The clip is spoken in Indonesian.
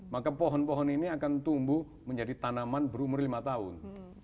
maka pohon pohon ini akan tumbuh menjadi tanaman berumur lima tahun